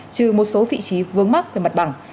trừ một số vị trí vướng mắc về mặt bằng